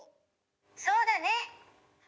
そうだね！